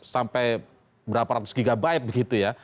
sampai berapa ratus gb begitu ya